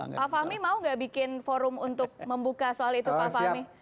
pak fahmi mau gak bikin forum untuk membuka soal itu pak fahmi